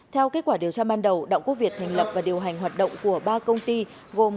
theo kết quả điều tra ban đầu đặng quốc việt thành lập và điều hành hoạt động của ba công ty gồm